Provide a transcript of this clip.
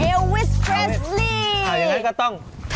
อย่างนั้นก็ต้อง